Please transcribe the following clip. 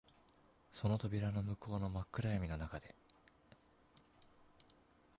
その扉の向こうの真っ暗闇の中で、